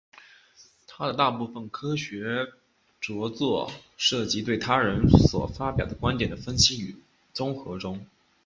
他的大部分科学着作涉及对他人所发表观点的分析与综合中。